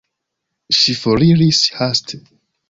Ŝi foriris haste.